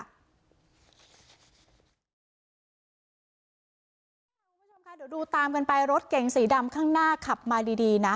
คุณผู้ชมคะเดี๋ยวดูตามกันไปรถเก๋งสีดำข้างหน้าขับมาดีนะ